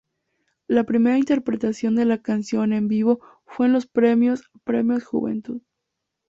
La primera interpretación de la canción en vivo fue en los premios Premios Juventud.